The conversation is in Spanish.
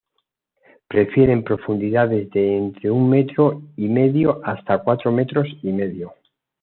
Prefieren profundidades de entre un metro y medio hasta cuatro metros y medio.